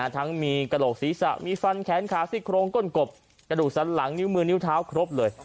ทั้งมีกระโหลกศีรษะมีฟันแขนขาซี่โครงก้นกบกระดูกสันหลังนิ้วมือนิ้วเท้าครบเลย